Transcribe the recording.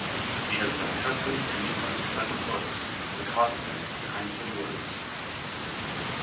He has been accustomed to meet them with pleasant looks, and accost them in kindly words.